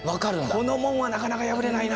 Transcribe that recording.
この門はなかなか破れないな。